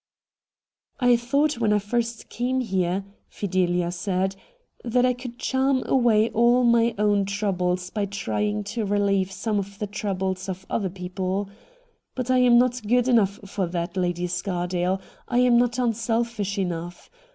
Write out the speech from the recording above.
' I thought when first I came here,' Pidelia said, ' that I could charm away all my own troubles by trying to relieve some of the troubles of other people. But I am not good enough for that. Lady Scardale — I am not unselfish enough.